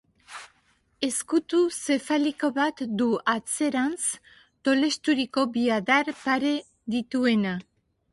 Ezkutu zefaliko bat du atzerantz tolesturiko bi adar pare dituena.